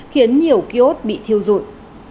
khiến nhiều kiếu ốt bị thiêu rụi